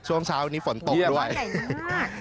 ช่วงเช้านี้ฝนตกด้วยเยี่ยมบ้านไหนยังมาก